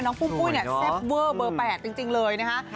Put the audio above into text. ปุ้มปุ้ยเนี่ยแซ่บเวอร์เบอร์๘จริงเลยนะคะ